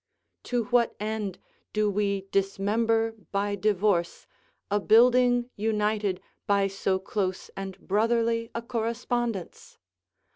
To what end do we dismember by divorce a building united by so close and brotherly a correspondence?